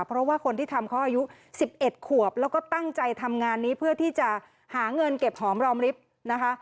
เพราะว่าคนที่ทำเขาอายุ๑๑ขวบแล้วก็ตั้งใจทำงานนี้เพื่อที่จะหาเงินเก็บหอมรอมลิฟต์นะคะ